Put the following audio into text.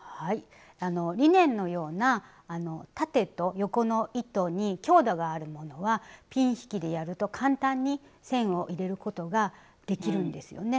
リネンのような縦と横の糸に強度があるものはピン引きでやると簡単に線を入れることができるんですよ。